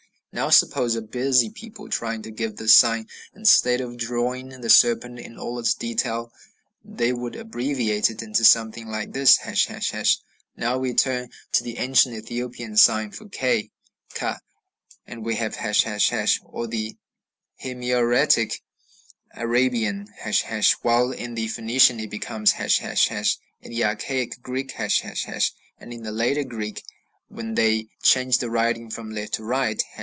Now suppose a busy people trying to give this sign: instead of drawing the serpent in all its details they would abbreviate it into something like this, ###; now we turn to the ancient Ethiopian sign for k (ka), and we have ###, or the Himyaritic Arabian ###; while in the Phoenician it becomes ###; in the archaic Greek, ###; and in the later Greek, when they changed the writing from left to right, ###